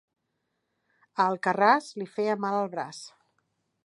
A Alcarràs li feia mal el braç.